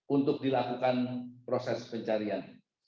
untuk dilakukan proses pencarian